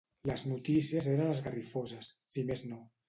Les notícies eren esgarrifoses, si més no.